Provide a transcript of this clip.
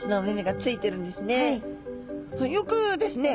よくですね